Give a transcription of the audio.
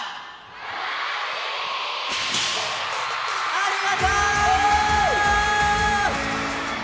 ありがとう！